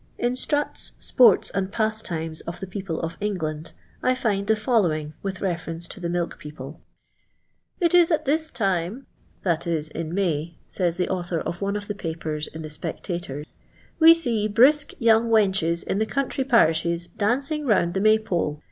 In Stmtl's " Sports and Tiistimes of the People of England," I find the following with reference to the milk people: —" It is at this time," that is in May, nys the author of one of the papers in the Sptctaior, " ve sec brisk young wenches in the country parishes dancing round the Maypole.